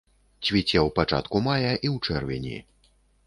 Цвіце ў пачатку мая і ў чэрвені.